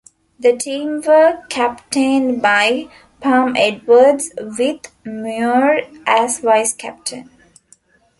The team were captained by Pam Edwards, with Muir as vice-captain.